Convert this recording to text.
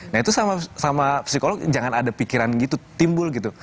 nah itu sama psikolog jangan ada pikiran gitu timbul gitu